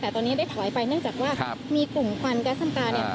แต่ตอนนี้ได้ถอยไปเนื่องจากว่ามีกลุ่มควันแก๊สน้ำตาเนี่ย